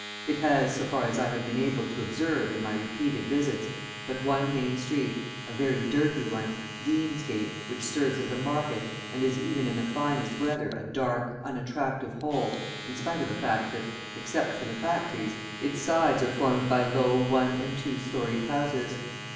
It has, so far as I have been able to observe in my repeated visits, but one main street, a very dirty one, Deansgate, which serves as a market, and is even in the finest weather a dark, unattractive hole in spite of the fact that, except for the factories, its sides are formed by low one and two storied houses.